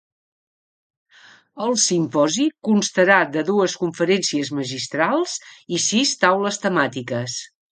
El simposi constarà de dues conferències magistrals i sis taules temàtiques.